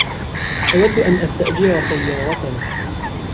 أود أن استأجر سيارة.